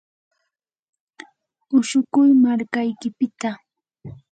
ashukuy markaykipita.